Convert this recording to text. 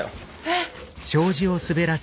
えっ？